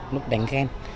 lúc đánh ghen